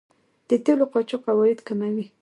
د تیلو قاچاق عواید کموي.